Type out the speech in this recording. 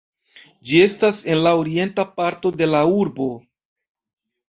Ĝi estas en la orienta parto de la urbo.